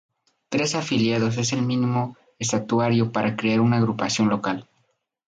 Tres afiliados es el mínimo estatutario para crear una agrupación local.